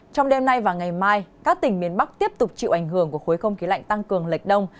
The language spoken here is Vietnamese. trong đêm nay và ngày mai các tỉnh miền bắc tiếp tục chịu ảnh hưởng của khối không khí lạnh tăng cường lệch đông